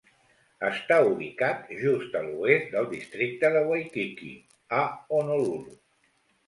Està ubicat just a l'oest del districte de Waikiki, a Honolulu.